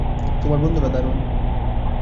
তোমার বন্ধুরা দারুণ।